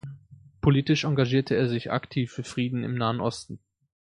Politisch engagierte er sich aktiv für Frieden im Nahen Osten.